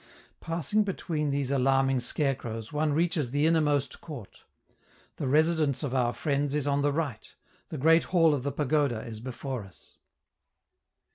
Passing between these alarming scarecrows, one reaches the innermost court. The residence of our friends is on the right, the great hall of the pagoda is before us.